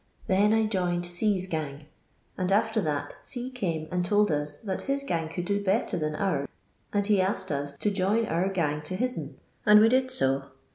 Then I Joined C *s gang; and, after that, C came and told us that his gang could do better than oum, and he asked us to join our gang to his'n, and we did to.